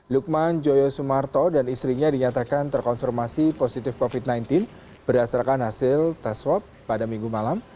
lukman joyo sumarto dan istrinya dinyatakan terkonfirmasi positif covid sembilan belas berdasarkan hasil tes swab pada minggu malam